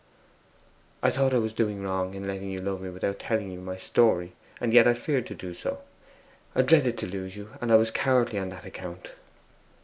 'I thought I was doing wrong in letting you love me without telling you my story; and yet I feared to do so, Elfie. I dreaded to lose you, and I was cowardly on that account.